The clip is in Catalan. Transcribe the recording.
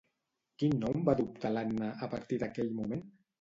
Quin nom va adoptar l'Anna, a partir d'aquell moment?